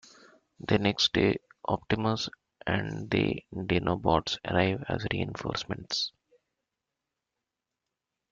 The next day, Optimus and the Dinobots arrive as reinforcements.